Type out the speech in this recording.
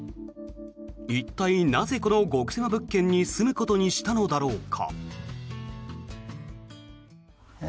一体なぜ、この極狭物件に住むことにしたのだろうか。